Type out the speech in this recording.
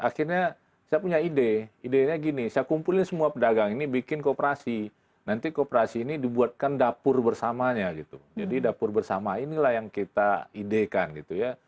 akhirnya saya punya ide idenya gini saya kumpulin semua pedagang ini bikin kooperasi nanti kooperasi ini dibuatkan dapur bersamanya gitu jadi dapur bersama inilah yang kita idekan gitu ya